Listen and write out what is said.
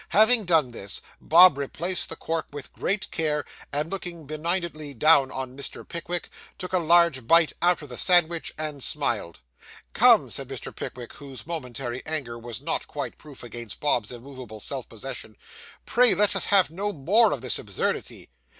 Having done this, Bob replaced the cork with great care, and looking benignantly down on Mr. Pickwick, took a large bite out of the sandwich, and smiled. 'Come,' said Mr. Pickwick, whose momentary anger was not quite proof against Bob's immovable self possession, 'pray let us have no more of this absurdity.